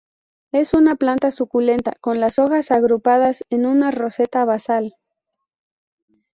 Es una planta suculenta con las hojas agrupadas en una roseta basal.